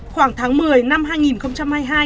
khoảng tháng một mươi năm hai nghìn hai mươi hai